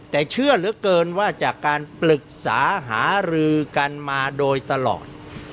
แต่เชื่อเหลือเกินว่าจากการปรึกษาหารือกันมาโดยตลอด